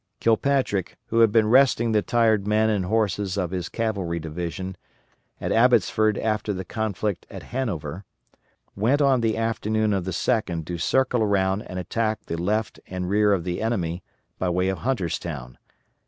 Kilpatrick, who had been resting the tired men and horses of his cavalry division at Abbotsford after the conflict at Hanover, went on the afternoon of the 2d to circle around and attack the left and rear of the enemy by way of Hunterstown.